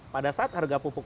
pada saat harga pupuk